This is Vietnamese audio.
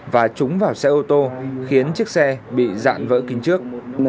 và chúng vào xe ô tô cao tốc